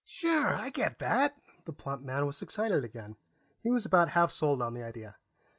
"Sure. I get that." The plump man was excited again; he was about half sold on the idea.